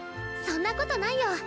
そんなことないよ。